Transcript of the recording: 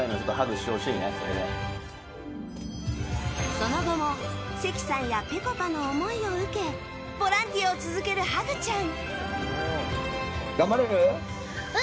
その後も関さんやぺこぱの思いを受けボランティアを続けるハグちゃん。